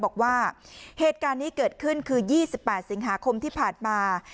บอกว่าเหตุการณ์นี้เกิดขึ้นคือ๒๘สิงหาคมที่ผ่านมา